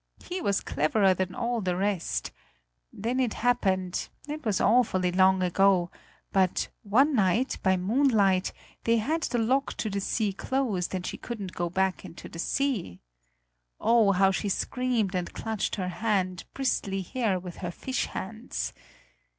He was cleverer than all the rest then it happened it was awfully long ago but, one night, by moonlight, they had the lock to the sea closed, and she couldn't go back into the sea. Oh, how she screamed and clutched her hard, bristly hair with her fish hands!